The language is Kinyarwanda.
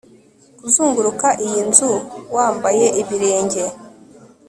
kuzunguruka iyi nzu wambaye ibirenge